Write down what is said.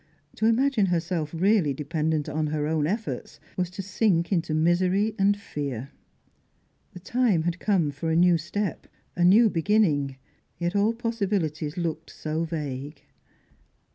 To imagine herself really dependent on her own efforts, was to sink into misery and fear. The time had come for a new step, a new beginning, yet all possibilities looked so vague.